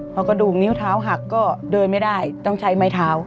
พอกระดูกนิ้วเท้าหักก็เดินไม่ได้ต้องใช้ไม้เท้า